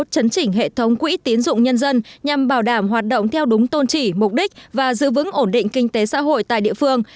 chấn chỉnh hệ thống quỹ tiến dụng nhân dân nhằm bảo đảm hoạt động theo đúng tôn trị mục đích và giữ vững ổn định kinh tế xã hội tại địa phương